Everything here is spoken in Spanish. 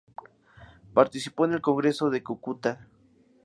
Participó en el Congreso de Cúcuta.